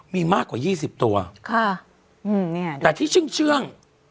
มีมากกว่ายี่สิบตัวค่ะอืมเนี่ยแต่ที่เชื่อง